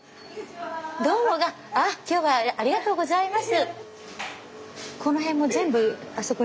どうも今日はありがとうございます。